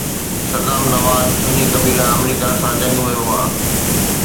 صدام نواز سني قبيلا آمريڪا سان جنگ ۾ هئا